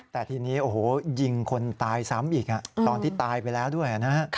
แต่ทีนี้ยิงคนตายซ้ำอีกตอนที่ตายไปแล้วด้วย